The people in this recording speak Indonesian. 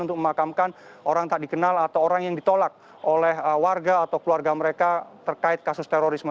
untuk memakamkan orang tak dikenal atau orang yang ditolak oleh warga atau keluarga mereka terkait kasus terorisme